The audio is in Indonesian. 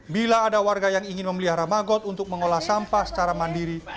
bila ada warga yang ingin memelihara magot untuk mengolah sampah secara mandiri